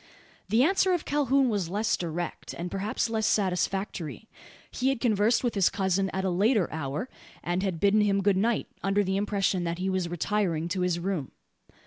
The answer of Calhoun was less direct, and, perhaps, less satisfactory. He had conversed with his cousin at a later hour, and had bidden him good night, under the impression that he was retiring to his room.